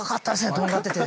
とんがってて。